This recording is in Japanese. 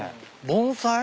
盆栽？